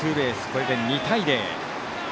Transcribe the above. これで２対０。